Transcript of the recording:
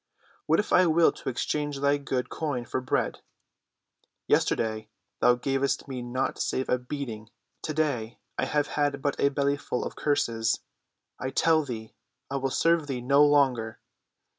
"What if I will to exchange thy good coin for bread? Yesterday thou gav'st me naught save a beating; to‐day I have had but a bellyful of curses. I tell thee I will serve thee no longer.